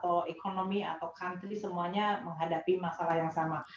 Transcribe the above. atau ekonomi atau country semuanya menghadapi masalah yang sama